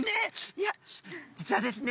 いや実はですね